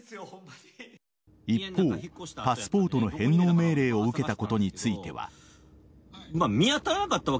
一方パスポートの返納命令を受けたことについては。